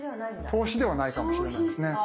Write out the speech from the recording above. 投資ではないかもしれないですね。